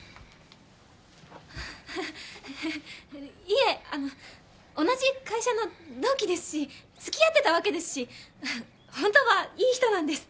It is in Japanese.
いえ同じ会社の同期ですし付き合ってたわけですし本当はいい人なんです。